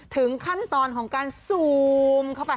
ถึงขั้นตอนของการซูมเข้าไป